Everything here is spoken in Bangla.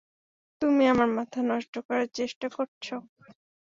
তুমি আমার মাথা নষ্ট করার চেষ্টা করছ।